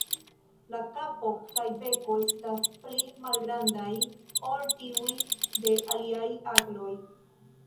La kapo kaj beko estas pli malgrandaj ol tiuj de aliaj agloj.